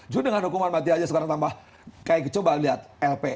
ju dengan hukuman mati aja sekarang tambah kayak coba lihat lp